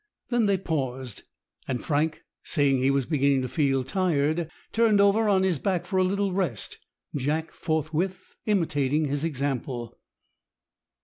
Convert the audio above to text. Then they paused, and Frank, saying he was beginning to feel tired, turned over on his back for a little rest, Jack forthwith imitating his example.